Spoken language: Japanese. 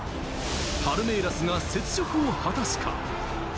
パルメイラスが雪辱を果たすか。